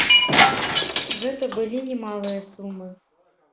Гэта былі немалыя сумы.